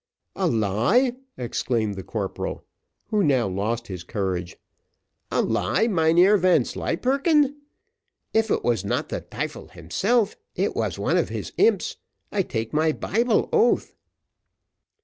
"A lie," exclaimed the corporal, who now lost his courage, "a lie, Mynheer Vanslyperken! If it was not the tyfel himself it was one of his imps, I take my Bible oath."